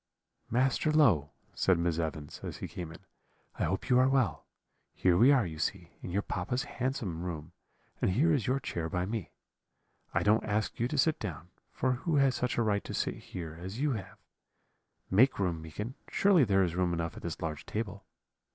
"'Master Low,' said Miss Evans, as he came in, 'I hope you are well; here we are, you see, in your papa's handsome room, and here is your chair by me. I don't ask you to sit down, for who has such a right to sit here as you have? Make room, Meekin. Surely there is room enough at this large table?